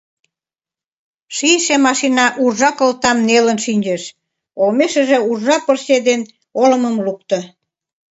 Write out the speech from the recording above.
Шийше машина уржа кылтам нелын шинчыш, олмешыже уржа пырче ден олымым лукто.